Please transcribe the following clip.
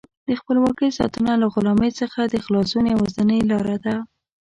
د خپلواکۍ ساتنه له غلامۍ څخه د خلاصون یوازینۍ لاره ده.